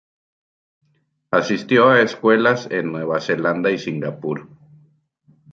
Asistió a escuelas en Nueva Zelanda y en Singapur.